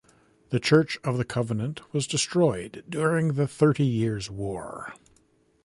The church of the convent was destroyed during the Thirty Years war.